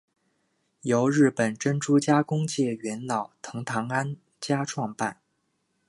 由日本珍珠加工界元老藤堂安家创办。